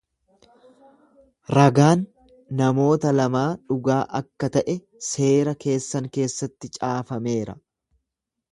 Ragaan namoota lamaa dhugaa akka ta'e seera keessan keessatti caafameera.